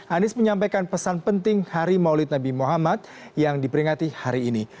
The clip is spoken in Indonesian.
anies menyampaikan pesan penting hari maulid nabi muhammad yang diperingati hari ini